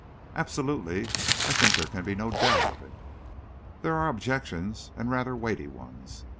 "Absolutely. I think there can be no doubt of it." "There are objections and rather weighty ones.